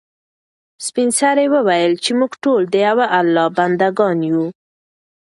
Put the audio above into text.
سپین سرې وویل چې موږ ټول د یو الله بنده ګان یو.